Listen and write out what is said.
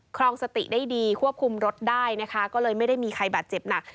ครองสติได้ดีควบคุมรถได้นะคะก็เลยไม่ได้มีใครบาดเจ็บหนัก